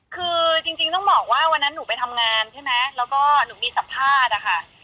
คือจริงต้องบอกว่าวันนั้นหนูไปทำงานใช่ไหมแล้วก็หนูมีสัมภาษณ์อะค่ะ